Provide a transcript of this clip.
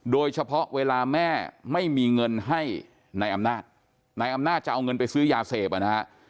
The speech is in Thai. เวลาแม่ไม่มีเงินให้นายอำนาจนายอำนาจจะเอาเงินไปซื้อยาเสพอ่ะนะฮะ